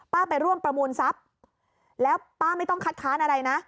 ไปร่วมประมูลทรัพย์แล้วป้าไม่ต้องคัดค้านอะไรนะ